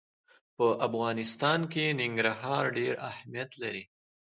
په افغانستان کې ننګرهار ډېر اهمیت لري.